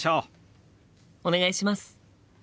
お願いします！